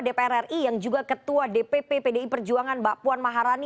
dpr ri yang juga ketua dpp pdi perjuangan mbak puan maharani